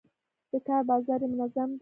د کار بازار یې منظم دی.